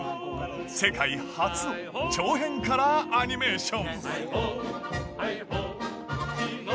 世界初の長編カラーアニメーション。